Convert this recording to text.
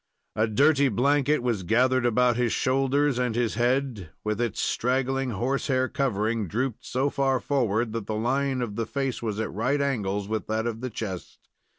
A dirty blanket was gathered about his shoulders, and his head, with its straggling horse hair covering, drooped so far forward that the line of the face was at right angles with that of the chest.